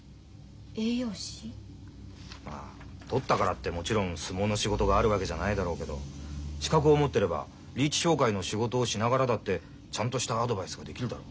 まあ取ったからってもちろん相撲の仕事があるわけじゃないだろうけど資格を持ってればリーチ商会の仕事をしながらだってちゃんとしたアドバイスができるだろ。